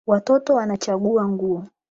Watoto wanachagua nguo